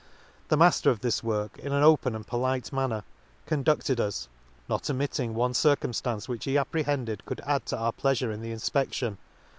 — The mafter of this work, in an open and polite manner, conducted us ; not omitting one circumftance which he apprehended could add to our pleafure in the infpe&ion.